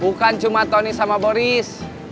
bukan cuma tony sama boris